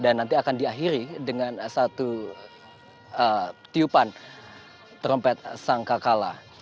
nanti akan diakhiri dengan satu tiupan trompet sangka kala